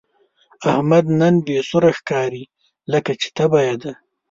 احمد نن بې سوره ښکاري، لکه چې تبه یې ده.